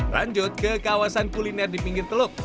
lanjut ke kawasan kuliner di pinggir teluk